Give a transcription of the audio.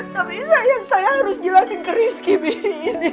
tapi saya harus jelasin ke rizky